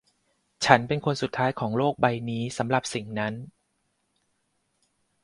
ฉันเป็นคนสุดท้ายของโลกใบนี้สำหรับสิ่งนั้น